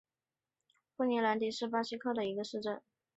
富尼兰迪亚是巴西米纳斯吉拉斯州的一个市镇。